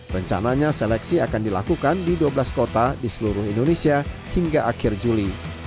rencananya seleksi akan dilakukan di dua belas kota di seluruh indonesia hingga akhir juli